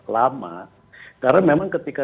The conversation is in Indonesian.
lama karena memang ketika